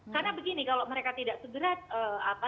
karena begini kalau mereka tidak segera